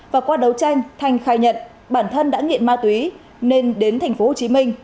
và qua đấu tranh thanh khai nhận bản thân đã nghiện ma túy nên đến thành phố hồ chí minh